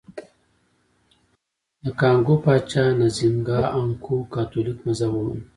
د کانګو پاچا نزینګا ا نکؤو کاتولیک مذهب ومانه.